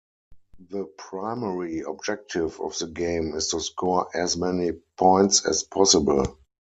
The primary objective of the game is to score as many points as possible.